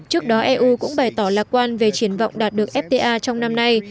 trước đó eu cũng bày tỏ lạc quan về triển vọng đạt được fta trong năm nay